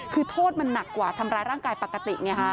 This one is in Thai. คือโทษมันหนักกว่าทำร้ายร่างกายปกติไงฮะ